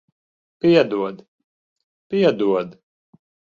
Piedod. Piedod.